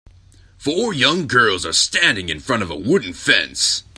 Four young girls are standing in front of a wooden fence.